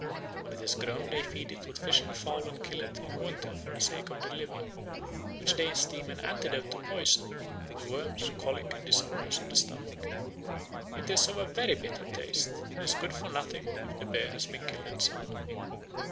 When it is grown they feed it with fish and fowl and kill it in winter for the sake of the liver, which they esteem an antidote to poison, the worms, colic, and disorders of the stomach. It is of a very bitter taste, and is good for nothing if the bear has been killed in summer.